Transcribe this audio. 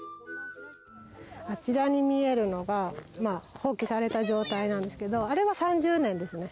あちらに見えるのが、放棄された状態なんですけど、あれは３０年ですね。